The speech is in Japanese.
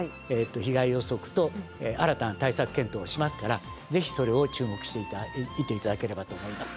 被害予測と新たな対策検討をしますからぜひそれを注目していて頂ければと思います。